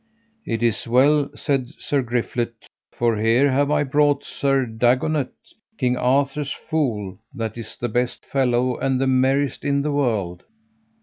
It is well said, said Sir Griflet, for here have I brought Sir Dagonet, King Arthur's fool, that is the best fellow and the merriest in the world.